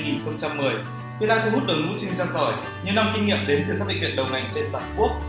vietlite thu hút được ngũ trinh ra sỏi nhiều năm kinh nghiệm đến từ các bệnh viện đầu ngành trên toàn quốc